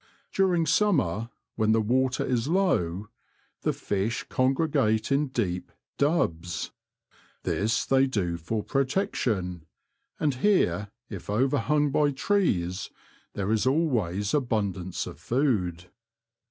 During summer, when the water is low, the fish congregate in deep ^^dubs." This they do for protection, and 96 The Confessions of a T^oacher. here, if overhung by trees, there is always abundance of food.